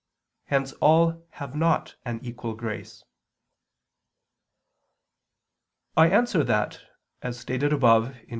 Hence all have not an equal grace. I answer that, As stated above (Q.